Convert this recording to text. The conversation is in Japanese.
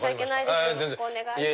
よろしくお願いします。